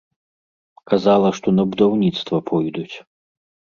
Казала, што на будаўніцтва пойдуць.